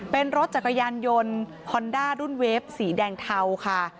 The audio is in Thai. เป็นรถจักรยานยนต์ฮอนด้ารุ่นเวฟสีแดงเทาค่ะ